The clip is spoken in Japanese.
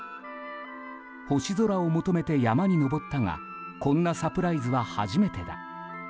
星空を求めて山に登ったがこんなサプライズは初めてだ。